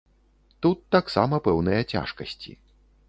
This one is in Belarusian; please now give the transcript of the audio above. Тут таксама пэўныя цяжкасці.